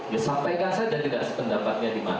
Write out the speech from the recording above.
ya sampaikan saja tidak sependapatnya di mana